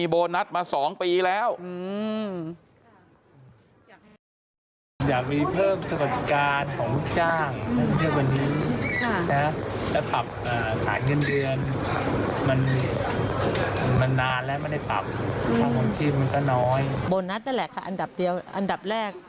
โบนัสนั่นแหละค่ะอันดับแรก